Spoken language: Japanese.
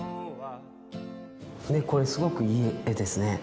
これすごくいい絵ですね。